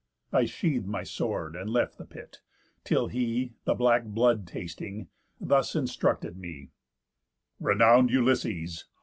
I sheath'd my sword, and left the pit, till he, The black blood tasting, thus instructed me: 'Renown'd Ulysses!